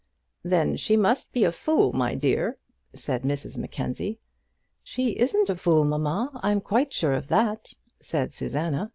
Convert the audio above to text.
"Then she must be a fool, my dear," said Mrs Mackenzie. "She isn't a fool, mamma; I'm quite sure of that," said Susanna.